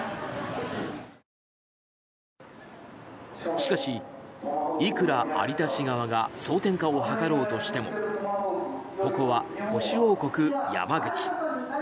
しかし、いくら有田氏側が争点化を図ろうとしてもここは保守王国・山口。